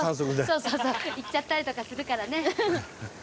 行っちゃったりとかするからね。